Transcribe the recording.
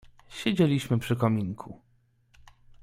"Siedzieliśmy przy kominku."